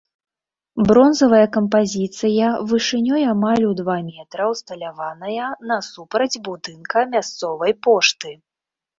Бронзавая кампазіцыя вышынёй амаль у два метра ўсталяваная насупраць будынка мясцовай пошты.